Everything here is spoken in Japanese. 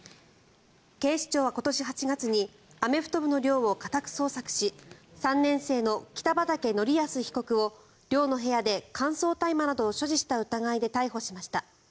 警視庁は今年８月にアメフト部の寮を家宅捜索し３年生の北畠成文被告を寮の部屋で乾燥大麻などを所持した疑いで逮捕しました。